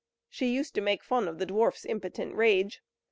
She used to make fun of the dwarf's impotent rage.